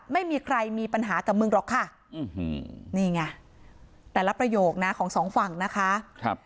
ไม่มีใครมีปัญหากับมึงหรอกค่ะนี่ไงแต่ละประโยคนะของสองฝั่งนะคะ